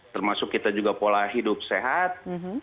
termasuk kita juga pola hidup sehat